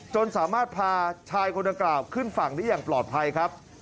จนสามารถพาชายคนดังกล่าวขึ้นฝั่งได้อย่างปลอดภัยครับ